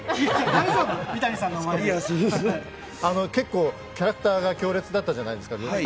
結構キャラクターが２つとも強烈じゃないですか。